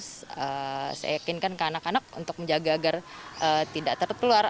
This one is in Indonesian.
saya yakinkan ke anak anak untuk menjaga agar tidak tertular